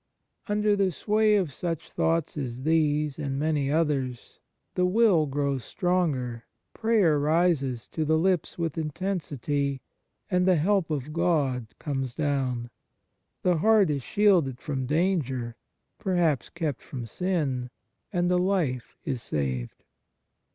Under the sway of such thoughts as these, and many others, the will grows stronger, prayer rises to the lips with intensity, and the help of God comes down ; the heart is shielded from danger, perhaps kept from sin, and a life is saved.